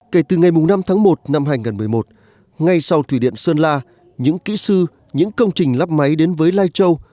kể từ ngày năm tháng một năm hai nghìn một mươi một ngay sau thủy điện sơn la những kỹ sư những công trình lắp máy đến với lai châu